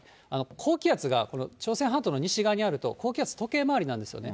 高気圧が朝鮮半島の西側にあると、高気圧、時計回りなんですよね。